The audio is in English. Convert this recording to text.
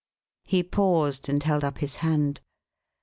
He paused and held up his hand.